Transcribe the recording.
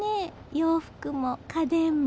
洋服も家電も。